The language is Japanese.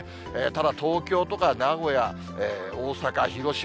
ただ、東京とか名古屋、大阪、広島、